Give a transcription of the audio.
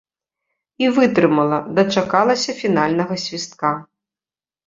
І вытрымала, дачакалася фінальнага свістка!